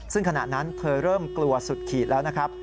ซึ่งขณะนั้นเธอเริ่มกลัวสุดขีดแล้วนะครับ